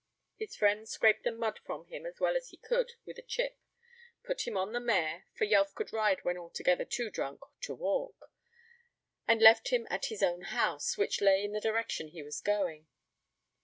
His friend scraped the mud from him as well as he could with a chip, put him on the mare (for Yelf could ride when altogether too drunk to walk), and left him at his own house, which lay in the direction he was going.